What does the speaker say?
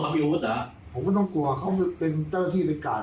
เขามีอาวุธหรอผมก็ต้องกลัวเขาเป็นเจ้าที่เป็นกาศ